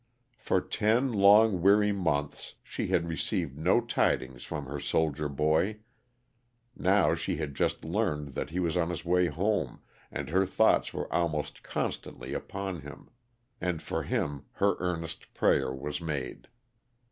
For ten long weary months she had received no tidings from her soldier boy, now she had just learned that he was on his way home and her thoughts were almost con stantly upon him ; and for him her earnest prayer was made.